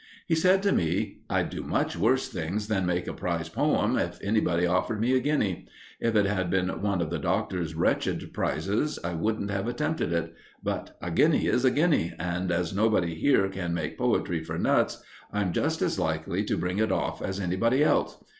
He said to me: "I'd do much worse things than make a prize poem, if anybody offered me a guinea. If it had been one of the Doctor's wretched prizes, I wouldn't have attempted it; but a guinea is a guinea, and as nobody here can make poetry for nuts, I'm just as likely to bring it off as anybody else.